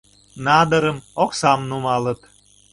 Надырым, оксам нумалыт